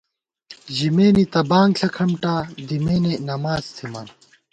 ژِمېنےتہ بانگ ݪہ کھمٹا، دِمېنےنماڅ تھِمان